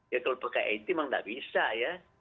ya kalau pakai it memang tidak bisa ya